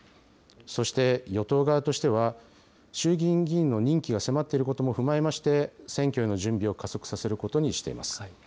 そして、与党側としては、衆議院議員の任期が迫っていることも踏まえまして、選挙への準備を加速させることにしています。